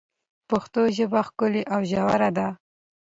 پښتو ژبه ښکلي او ژوره ده.